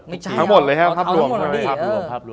ไม่ใช่เอาทั้งหมดเลยครับภาพรวมเลย